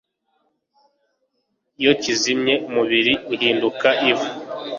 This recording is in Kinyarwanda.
iyo kizimye, umubiri uhinduka ivu